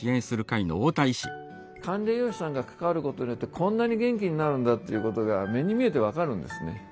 管理栄養士さんが関わることによってこんなに元気になるんだっていうことが目に見えて分かるんですね。